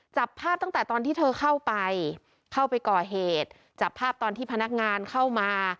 จับภาพตั้งแต่ตอนที่เธอเข้าไปเข้าไปก่อเหตุจับภาพตอนที่พนักงานเข้ามา